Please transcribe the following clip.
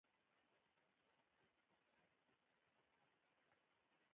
وڼېڅي د پښتو تر ټولو لهجو زیاته بدله او زړه ده